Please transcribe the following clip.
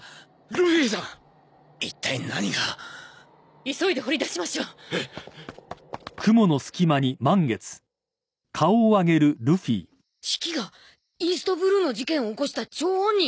ルフィさんッ一体何が急いで掘り出しましょシキがイーストブルーの事件を起こした張本人？